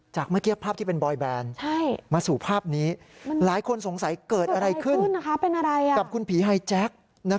เมื่อกี้ภาพที่เป็นบอยแบนมาสู่ภาพนี้หลายคนสงสัยเกิดอะไรขึ้นกับคุณผีไฮแจ๊ก